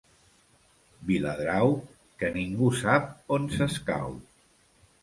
Viladrau, que ningú sap on s'escau.